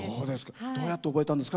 どうやって覚えたんですか？